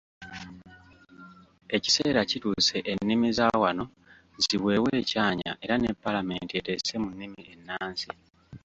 Ekiseera kituuse ennimi za wano ziweebwe ekyanya era ne Paalamenti eteese mu nnimi ennansi.